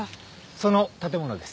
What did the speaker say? その建物です。